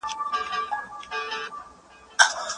که زده کوونکی اوري، معلومات نه ورکېږي.